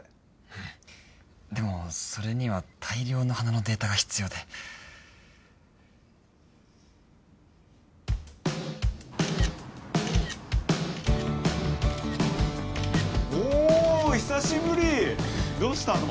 うんでもそれには大量の花のデータが必要でおお久しぶりどうしたの？